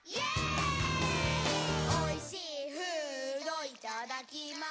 「おいしーフードいただきます」